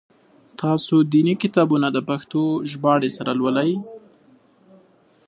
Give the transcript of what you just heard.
تاسو دیني کتابونه د پښتو ژباړي سره لولی؟